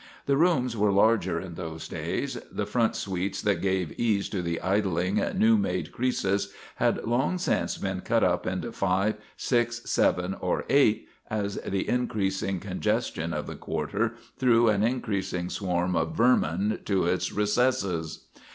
The rooms were larger in those days; the front suites that gave ease to the idling, new made Croesus had long since been cut up into five, six, seven, or eight, as the increasing congestion of the quarter threw an increasing swarm of vermin to its recesses.